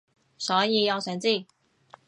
所以我想知